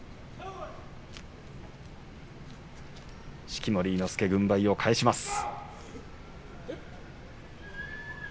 式守伊之助軍配を返します。